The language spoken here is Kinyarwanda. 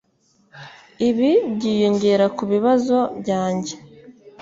Ibi byiyongera kubibazo byanjye